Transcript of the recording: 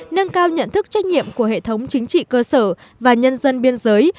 nâng cao nhận thức trách nhiệm của hệ thống chính trị cơ sở và nhân dân biên giới